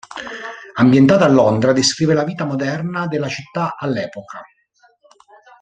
Ambientata a Londra, descrive la vita moderna della città all'epoca.